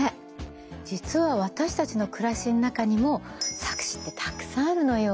実は私たちの暮らしの中にも錯視ってたくさんあるのよ。